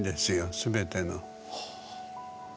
全ての。